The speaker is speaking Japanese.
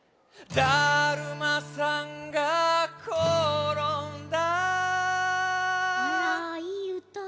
だるまさんがころんだ